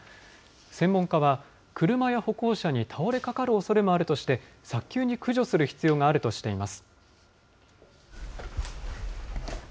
専門家は、車や歩行者に倒れかかるおそれもあるとして、早急に駆除する必要があるとしています。